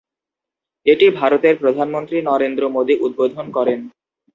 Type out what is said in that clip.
এটি ভারতের প্রধানমন্ত্রী নরেন্দ্র মোদি উদ্বোধন করেন।